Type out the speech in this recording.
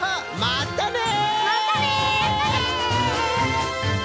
またね！